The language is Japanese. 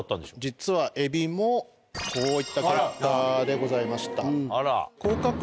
実はエビもこういった結果でございました。